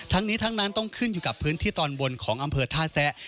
ทั้งนี้ทั้งนั้นต้องขึ้นอยู่กับพื้นที่ตอนบนของอำเภอท่าแซะ